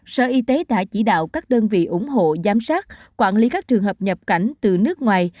sở y tế đã chỉ đạo các đơn vị ủng hộ giám sát quản lý các trường hợp nhập cảnh từ nước ngoài